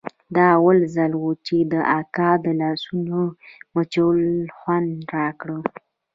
دا اول ځل و چې د اکا د لاسونو مچول خوند راکړ.